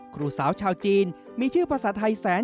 ครูสาวชาวจีนมีชื่อภาษาไทยแสน